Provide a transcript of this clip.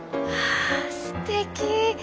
わあすてき。